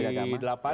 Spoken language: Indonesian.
dengan menteri agama